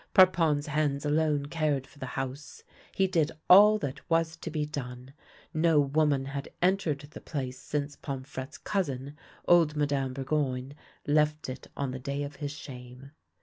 Parpon's hands alone cared for the house ; he did all that was to be done ; no woman had entered the place since Pomfrette's cousin, old Mme. Bur goyne, left it on the day of his shame.